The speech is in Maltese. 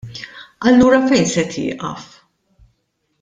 Allura fejn se tieqaf?